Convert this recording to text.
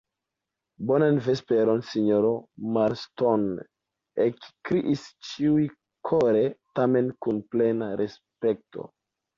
Bonan vesperon, sinjoro Marston, ekkriis ĉiuj kore, tamen kun plena respekto.